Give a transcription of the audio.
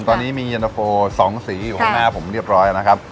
ตอนนี้มีเย็นตะโฟ๒สีอยู่ข้างหน้าผมเรียบร้อยนะครับ